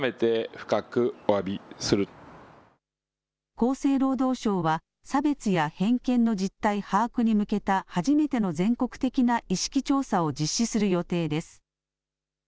厚生労働省は差別や偏見の実態把握に向けた初めての全国的な意識調査を実施する予定です。